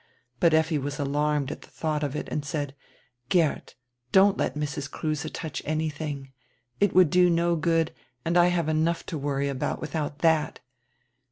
But Effi was alarmed at die thought of it and said: "Geert, don't let Mrs. Kruse touch any thing. It would do no good, and I have enough to worry about without that."